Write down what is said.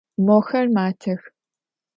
Мохэр матэх.